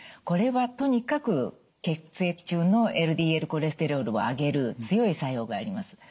これはとにかく血液中のＬＤＬコレステロールを上げる強い作用があります。